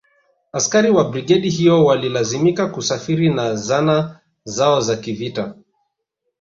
Askari wa brigedi hiyo walilazimika kusafiri na zana zao za kivita